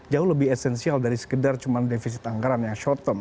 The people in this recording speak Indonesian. jauh lebih esensial dari sekedar cuma defisit anggaran yang short term